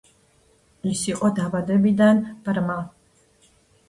ის იყო დაბადებიდან ბრმა.